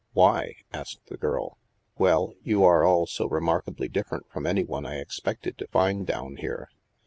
"'* Why? "asked the girl. " Well, you are all so remarkably different from any one I expected to find down here.